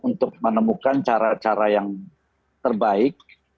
untuk menemukan cara cara yang terbaik